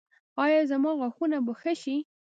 ایا زما غاښونه به ښه شي؟